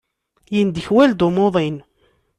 Yendekwal-d umuḍin.